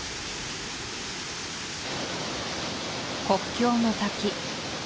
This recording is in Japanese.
国境の滝